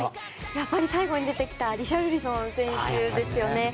やっぱり最後に出てきたリシャルリソン選手ですよね。